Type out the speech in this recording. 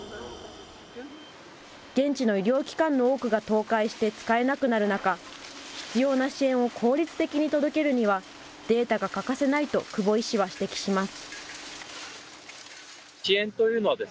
現地の医療機関の多くが倒壊して使えなくなる中、必要な支援を効率的に届けるには、データが欠かせないと久保医師は指摘します。